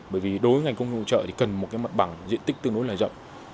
bởi vì đối với ngành công nghiệp hỗ trợ thì cần một cái mặt bằng diện tích tương đối là rộng